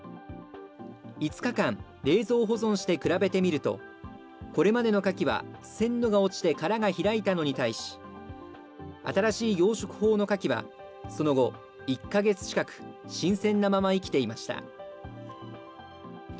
５日間、冷蔵保存して比べてみると、これまでのカキは鮮度が落ちて殻が開いたのに対し、新しい養殖法のカキは、その後、１か月近く、新鮮なまま生きていました。